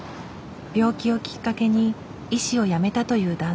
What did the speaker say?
病気をきっかけに医師をやめたという男性。